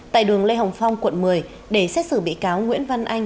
tại đường lê hồng phong quận một mươi để xét xử bị cáo nguyễn văn anh